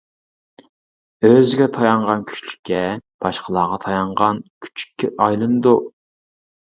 ئۆزىگە تايانغان كۈچلۈككە، باشقىلارغا تايانغان كۈچۈككە ئايلىنىدۇ!